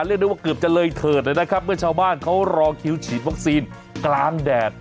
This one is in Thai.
เรียกได้ว่าเกือบจะเลยเถิดเลยนะครับเมื่อชาวบ้านเขารอคิวฉีดวัคซีนกลางแดด